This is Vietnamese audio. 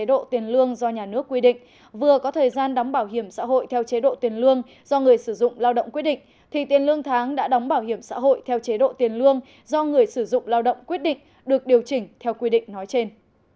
chế độ tiền lương do nhà nước quy định vừa có thời gian đóng bảo hiểm xã hội theo chế độ tiền lương do người sử dụng lao động quyết định thì tiền lương tháng đã đóng bảo hiểm xã hội theo chế độ tiền lương do người sử dụng lao động quyết định được điều chỉnh theo quy định nói trên